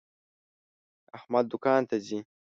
احمد دوکان ته ځي.